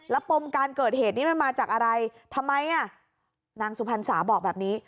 แล้วปมการเกิดเหตุนี้มันมาจากอะไรทำไมอ่ะนางสุพรรณสาบอกแบบนี้